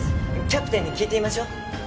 キャプテンに聞いてみましょう。